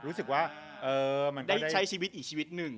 ได้ใช้ชีวิตอีกชีวิตหนึ่ง